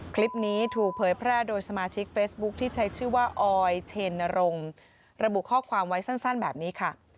คลิปนี้ถูกเผยแพร่โดยสมาชิกเฟซบุ๊คที่ใช้ชื่อว่าออยเชนนรงค์ระบุข้อความไว้สั้นแบบนี้ค่ะ